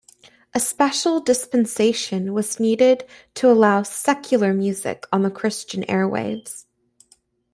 A special dispensation was needed to allow "secular" music on the Christian airwaves.